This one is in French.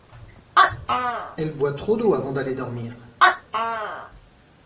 Elle boit trop d’eau avant d’aller dormir.